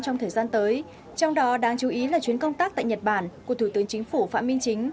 trong thời gian tới trong đó đáng chú ý là chuyến công tác tại nhật bản của thủ tướng chính phủ phạm minh chính